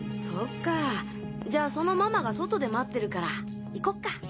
そっかぁじゃあそのママが外で待ってるから行こっか？